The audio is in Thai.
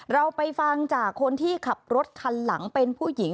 เราไปฟังจากคนที่ขับรถคันหลังเป็นผู้หญิง